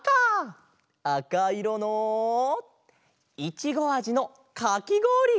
あかいろのいちごあじのかきごおり！